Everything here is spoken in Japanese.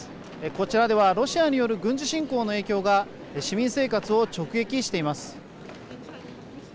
こちらでは、ロシアによる軍事侵攻の影響が、市民生活を直撃しています。